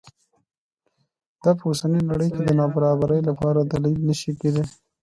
دا په اوسنۍ نړۍ کې د نابرابرۍ لپاره دلیل نه شي کېدای.